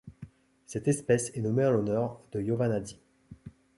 Cette espèce est nommée en l'honneur de Jovan Hadži.